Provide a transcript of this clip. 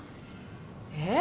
えっ？